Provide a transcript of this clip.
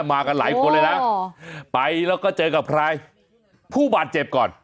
มากันหลายคนเลยนะไปแล้วก็เจอกับใครผู้บาดเจ็บก่อน